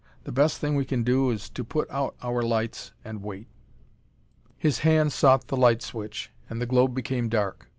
The best thing we can do is to put out our lights and wait." His hand sought the light switch, and the globe became dark.